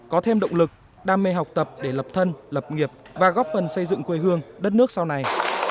có thêm động lực đam mê học tập để lập thân lập nghiệp và góp phần xây dựng quê hương đất nước sau này